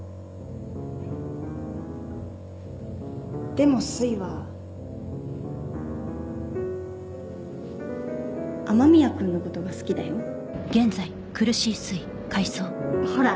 でもすいは雨宮君のことが好きだよほら